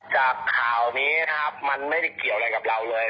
จากข่าวนี้นะครับมันไม่ได้เกี่ยวอะไรกับเราเลย